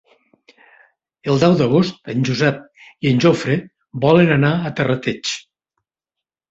El deu d'agost en Josep i en Jofre volen anar a Terrateig.